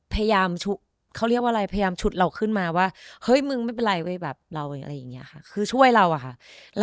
พยายามฉุดเราขึ้นมาว่าเฮ้ยมึงไม่เป็นไรเราก็ช่วยเราเลยค่ะ